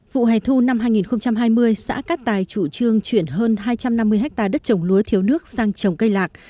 vụ hè thu năm hai nghìn hai mươi xã cát tài chủ trương chuyển hơn hai trăm năm mươi hectare đất trồng lúa thiếu nước sang trồng cây lạc